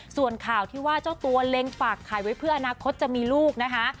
ส่วนข่าวที่ว่าเจ้าตัวเล็งฝากขายไว้เพื่ออนาคตจะมีลูกนะคะ